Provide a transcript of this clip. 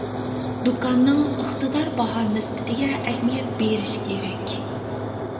دۇكاننىڭ ئىقتىدار باھا نىسبىتىگە ئەھمىيەت بېرىش كېرەك.